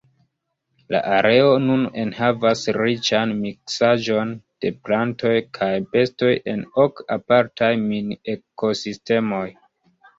La areo nun enhavas riĉan miksaĵon de plantoj kaj bestoj en ok apartaj mini-ekosistemoj.